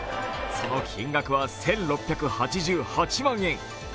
その金額は１６８８万円。